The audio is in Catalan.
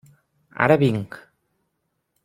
Ara vinc.